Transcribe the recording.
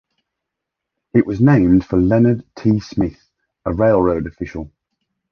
It was named for Leonard T. Smith, a railroad official.